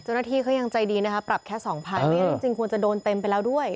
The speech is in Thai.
เจ้าหน้าที่เขายังใจดีนะคะปรับแค่สองพันจริงควรจะโดนเต็มไปแล้วด้วย